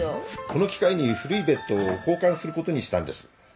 この機会に古いベッドを交換することにしたんです。